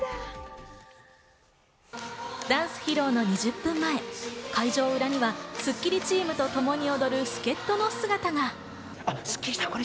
ダンス披露の２０分前、会場裏にはスッキリチームとともに踊る助っ人の姿が。